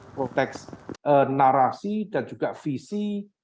proteks narasi dan juga visi